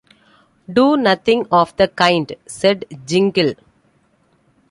‘Do nothing of the kind,’ said Jingle.